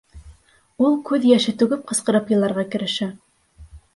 Ул күҙ йәше түгеп ҡысҡырып иларға керешә: